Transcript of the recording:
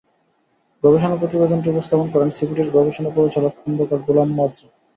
গবেষণা প্রতিবেদনটি উপস্থাপন করেন সিপিডির গবেষণা পরিচালক খন্দকার গোলাম মোয়াজ্জেম।